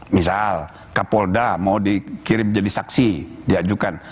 misal kapolda mau dikirim jadi saksi diajukan